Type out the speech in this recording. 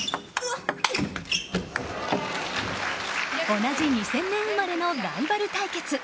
同じ２０００年生まれのライバル対決。